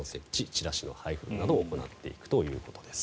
チラシの配布などを行っていくということです。